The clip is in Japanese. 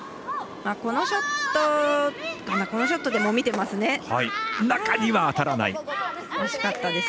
今のショットでも見てました。